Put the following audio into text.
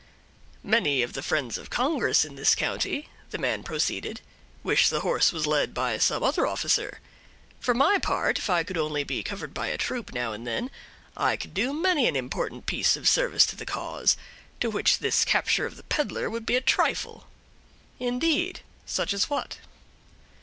"Many of the friends of Congress in this county," the man proceeded, "wish the horse was led by some other officer. For my part, if I could only be covered by a troop now and then, I could do many an important piece of service to the cause, to which this capture of the peddler would be a trifle." "Indeed! such as what?"